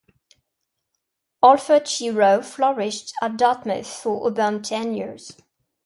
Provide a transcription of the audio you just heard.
Alpha Chi Rho flourished at Dartmouth for about ten years.